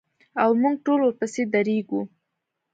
او موږ ټول ورپسې درېږو.